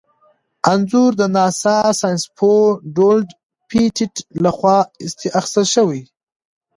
انځور د ناسا ساینسپوه ډونلډ پېټټ لخوا اخیستل شوی.